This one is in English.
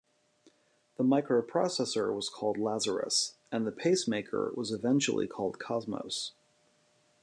The microprocessor was called Lazarus and the pacemaker was eventually called Cosmos.